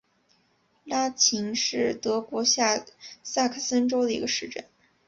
拉岑是德国下萨克森州的一个市镇。